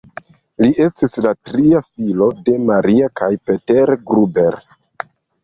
Li estis la tria filo de Maria kaj Peter Gruber.